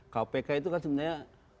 kpk itu kan sebenarnya